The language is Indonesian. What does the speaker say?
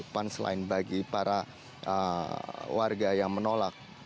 punchline bagi para warga yang menolak